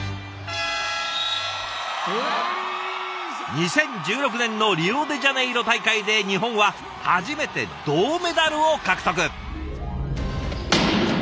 ２０１６年のリオデジャネイロ大会で日本は初めて銅メダルを獲得。